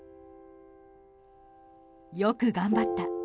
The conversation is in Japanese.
よく頑張った。